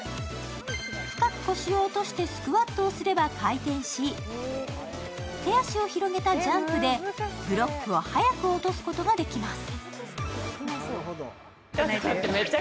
深く腰を落としてスクワットすれば回転し、手足を広げたジャンプでブロックを早く落とすことができます。